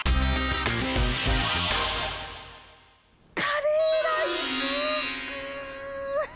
カレーライスぐっ！